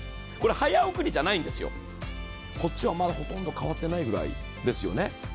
早送りじゃないんですよ、右はまだほとんど変わってないぐらいですよね。